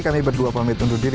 kami berdua pamit undur diri